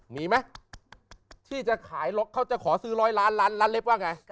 มีไหมที่จะขายเขาจะขอซื้อร้อยล้านล้านเล็บว่าไง